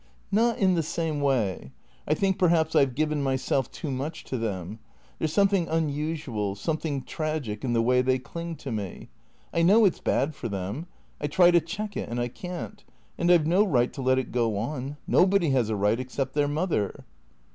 " Not in the same way. I think perhaps I 've given myself too much to them. There 's something unusual, something tragic in the way they cling to me. I know it 's bad for them. I try to check it, and I can't. And I 've no right to let it go on. Nobody has a right except their mother."